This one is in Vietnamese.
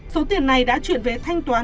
số tiền này đã chuyển về thanh toán